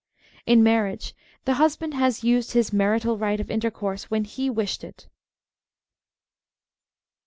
In marriage the husband has used his " marital right "* of intercourse when he wished it.